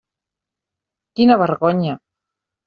Quina vergonya!